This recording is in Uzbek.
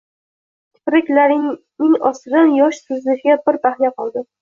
Kipriklarining ostidan yosh sizishiga bir bahya qoldi.